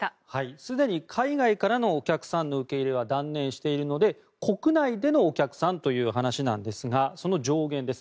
すでに海外からのお客さんの受け入れは断念しているので国内でのお客さんという話ですがその上限です。